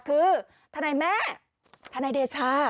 คือทนายแม่ทนายเดชา